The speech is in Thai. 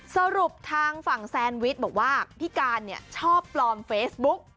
สรุปทางฝั่งแซนวิชบอกว่าพี่การชอบปลอมเฟซบุ๊ก